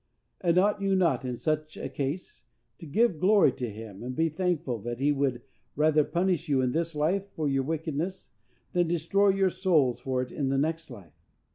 And ought you not, in such a case, to give glory to him, and be thankful that he would rather punish you in this life for your wickedness, than destroy your souls for it in the next life?